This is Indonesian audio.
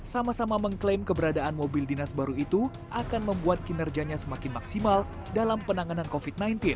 sama sama mengklaim keberadaan mobil dinas baru itu akan membuat kinerja yang lebih baik